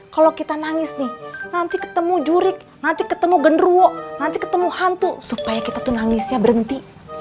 kalau kita nangis nih nanti ketemu jurik nanti ketemu genruwo nanti ketemu hantu supaya kita tuh nangisnya berhenti